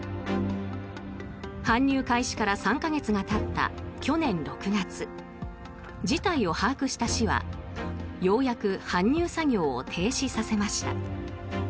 搬入開始から３か月がたった去年６月事態を把握した市は、ようやく搬入作業を停止させました。